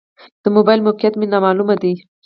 د موبایل موقعیت مې نا معلومه ده.